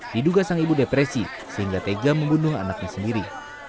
diduga sang ibu depresi sehingga tega membunuh anaknya sendiri